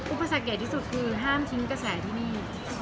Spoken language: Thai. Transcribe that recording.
อุปสรรคใหญ่ที่สุดคือห้ามทิ้งกระแสที่นี่